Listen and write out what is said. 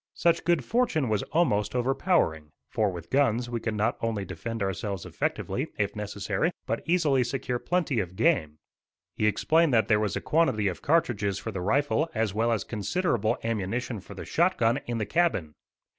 Such good fortune was almost overpowering, for with guns we could not only defend ourselves effectively, if necessary, but easily secure plenty of game. He explained that there was a quantity of cartridges for the rifle as well as considerable ammunition for the shot gun, in the cabin.